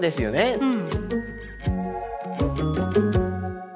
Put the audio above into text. うん。